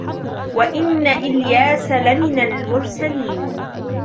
وَإِنَّ إِلْيَاسَ لَمِنَ الْمُرْسَلِينَ